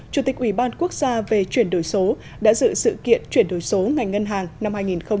chủ tịch ủy ban quốc gia về chuyển đổi số đã dự sự kiện chuyển đổi số ngành ngân hàng năm hai nghìn hai mươi